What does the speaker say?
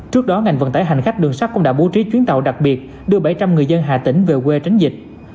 trước đó ngành vận tải hành khách đường sắt cũng đã bố trí chuyến tàu đặc biệt đưa bảy trăm linh người dân hà tĩnh về quê tránh dịch